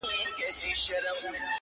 • زما اصلي ګناه به دا وي چي زه خر یم ,